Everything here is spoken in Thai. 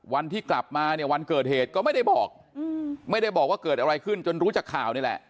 วันที่กลับมาเนี่ยวันเกิดเหตุก็ไม่ได้บอกไม่ได้บอกว่าเกิดอะไรขึ้นจนรู้จากข่าวนี่แหละ